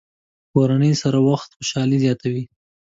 کورنۍ سره وخت خوشحالي زیاتوي.